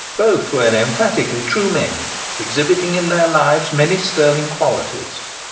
Both were emphatically true men, exhibiting in their lives many sterling qualities.